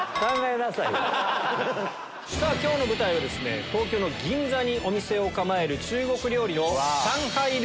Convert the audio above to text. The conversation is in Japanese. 今日の舞台は東京の銀座にお店を構える中国料理の。